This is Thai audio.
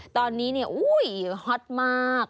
ตอนนี้เนี่ยอุ้ยฮอตมาก